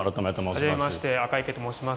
はじめまして赤池と申します。